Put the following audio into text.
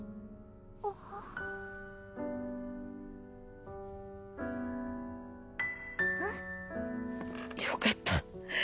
あっうんよかった